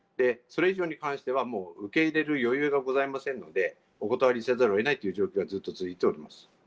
それ以上に関しては、もう受け入れる余裕がございませんので、お断りをせざるをえないという状況が、ずっと続いております。